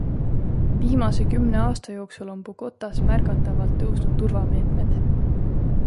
Viimase kümne aasta jooksul on Bogotas märgatavalt tõusnud turvameetmed.